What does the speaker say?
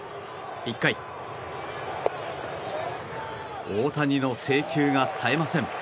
１回、大谷の制球がさえません。